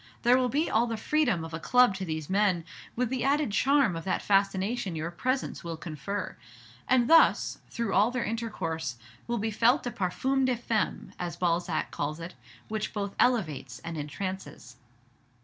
There will be all the freedom of a club to these men, with the added charm of that fascination your presence will confer; and thus, through all their intercourse, will be felt the 'parfum de femme,' as Balzac calls it, which both elevates and entrances."